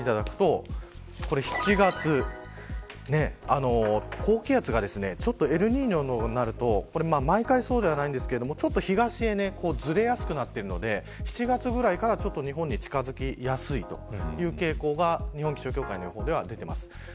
これをめくっていただくと７月、高気圧がエルニーニョになると毎回そうではないんですが東へずれやすくなってくるので７月ぐらいから日本に近づきやすいという傾向が、日本気象協会の予想では出ています。